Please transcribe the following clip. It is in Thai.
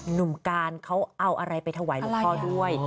หนุ่มการเขาเอาอะไรไปถวายหลวงพ่อด้วย